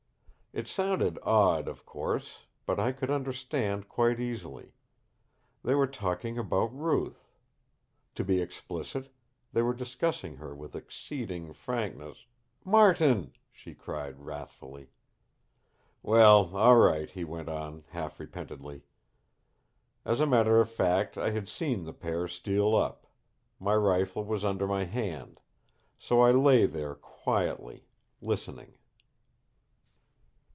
"It sounded odd, of course but I could understand quite easily. They were talking about Ruth. To be explicit, they were discussing her with exceeding frankness " "Martin!" she cried wrathfully. "Well, all right," he went on, half repentantly. "As a matter of fact, I had seen the pair steal up. My rifle was under my hand. So I lay there quietly, listening.